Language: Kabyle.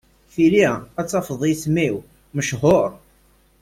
Tili ad tafeḍ isem-iw mechur.